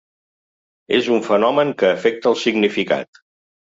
És un fenomen que afecta el significat.